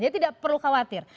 jadi tidak perlu khawatir